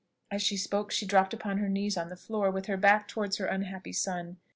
As she spoke, she dropped upon her knees on the floor, with her back towards her unhappy son.